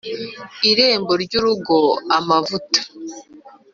Irembo ry urugo Amavuta